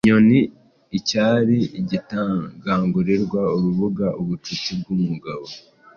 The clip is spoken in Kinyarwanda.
Inyoni icyari, igitagangurirwa urubuga, ubucuti bwumugabo.